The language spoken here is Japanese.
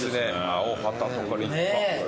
アオハタとか立派。